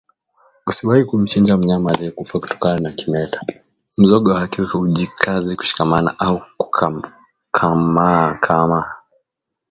Usiwahi kumchinja mnyama aliyekufa kutokana na kimeta Mzoga wake haujikazi kushikamana au kukakamaa kama